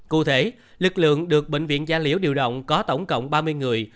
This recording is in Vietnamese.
cụ thể lực lượng được bệnh viện gia liễu điều động có tổng cộng ba mươi người